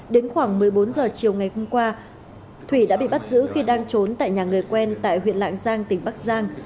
đến khoảng một mươi bốn giờ chiều ngày hôm qua thủy đã bị bắt giữ khi đang trốn tại nhà người quen tại huyện lạng giang tỉnh bắc giang